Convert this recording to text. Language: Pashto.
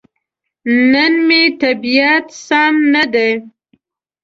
نن مې طبيعت سم ندی.